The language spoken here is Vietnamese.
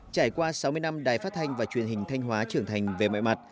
trải qua sáu mươi năm đài phát thanh và truyền hình thanh hóa trưởng thành về mọi mặt